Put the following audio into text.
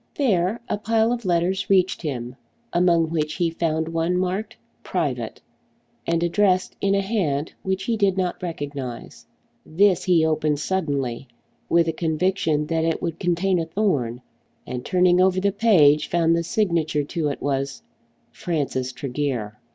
There a pile of letters reached him, among which he found one marked "Private," and addressed in a hand which he did not recognise. This he opened suddenly, with a conviction that it would contain a thorn, and, turning over the page, found the signature to it was "Francis Tregear."